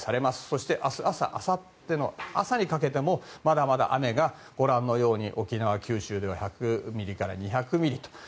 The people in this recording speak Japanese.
そして明日朝あさっての朝にかけてもまだまだ雨が沖縄、九州では１００ミリから２００ミリと。